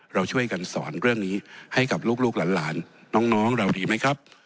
เราช่วยกันสอนเรื่องนี้ให้กับลูกหลานน้องเราดีไหมครับ